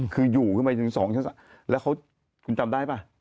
คืออยู่ขึ้นไปถึง๒ชั้น๓แล้วคุณจำได้ป่ะ